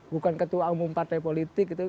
bukan ketua umum partai politik gitu